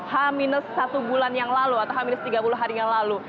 h satu bulan yang lalu atau h tiga puluh hari yang lalu